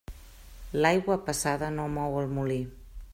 L'aigua passada no mou el molí.